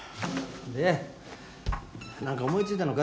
でなんか思いついたのか？